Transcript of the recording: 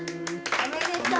・おめでとう！